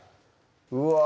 うわ